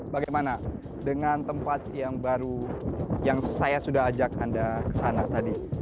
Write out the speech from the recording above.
bagaimana dengan tempat yang baru yang saya sudah ajak anda ke sana tadi